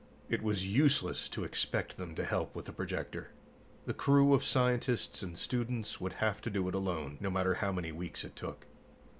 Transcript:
It was useless to expect them to help with the projector. The crew of scientists and students would have to do it alone, no matter how many weeks it took.